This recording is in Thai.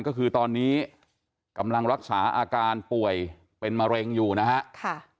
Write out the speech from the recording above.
ก็คือตอนนี้กำลังรักษาอาการป่วยเป็นมะเร็งอยู่นะฮะ